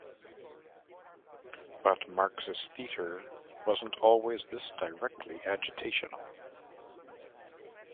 But Marxist theatre wasn't always this directly agitational.